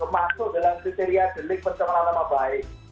masuk dalam kriteria delik pencemaran nama baik